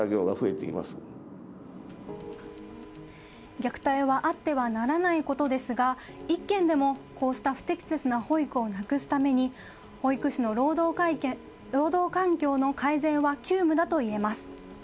虐待はあってはならないことですが１件でもこうした不適切な保育をなくすために保育士の労働環境の改善は急務だといえます。